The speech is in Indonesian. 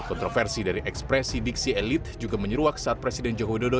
kontroversi dari ekspresi diksi elit juga menyeruak saat presiden joko widodo